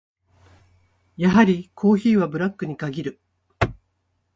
やはりコーヒーはブラックに限る。